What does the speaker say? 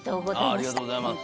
ありがとうございます。